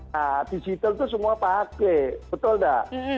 nah digital itu semua pakai betul dak